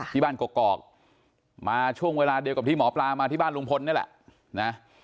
ที่บ้านกอกมาช่วงเวลาเดียวกับที่หมอปลามาที่บ้านลุงพลนี่แหละนะ